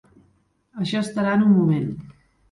Això estarà en un moment.